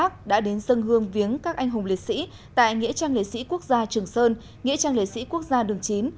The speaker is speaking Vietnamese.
tại nghĩa trang lễ sĩ quốc gia trường sơn nghĩa trang lễ sĩ quốc gia đường chín